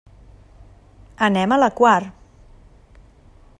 Anem a la Quar.